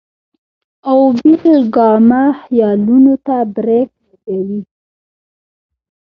او بې لګامه خيالونو ته برېک لګوي -